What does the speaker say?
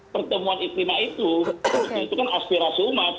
pertemuan istimewa itu kan aspirasi umat